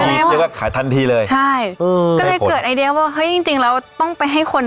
ขายดีแล้วก็ขายทันทีเลยใช่ก็เลยเกิดไอเดียวว่าเฮ้ยจริงจริงเราต้องไปให้คน